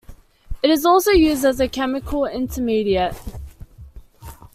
It is also used as a chemical intermediate.